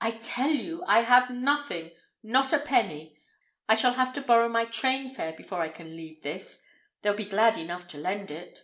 "I tell you I have nothing, not a penny! I shall have to borrow my train fare before I can leave this. They'll be glad enough to lend it."